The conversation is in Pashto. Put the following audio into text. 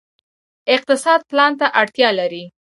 اقتصاد پلان ته اړتیا لري